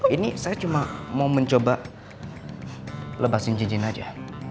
ini saya cuma mau mencoba lepasin cincin aja